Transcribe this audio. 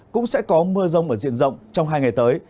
cũng sẽ có mưa rông ở diện rộng trong hai ngày tới